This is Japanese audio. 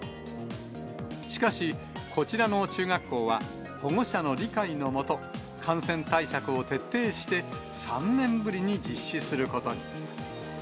しかし、こちらの中学校は、保護者の理解のもと、感染対策を徹底して、３年ぶりに実施することに。